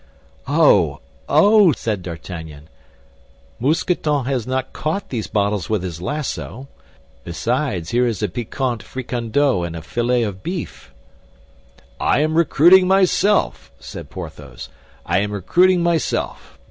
"Oh, oh!" said D'Artagnan, "Mousqueton has not caught these bottles with his lasso. Besides, here is a piquant fricandeau and a fillet of beef." "I am recruiting myself," said Porthos, "I am recruiting myself.